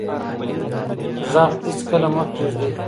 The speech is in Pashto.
غږ هېڅکله مه پرېږدئ.